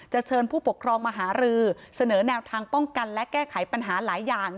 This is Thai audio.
เชิญผู้ปกครองมาหารือเสนอแนวทางป้องกันและแก้ไขปัญหาหลายอย่าง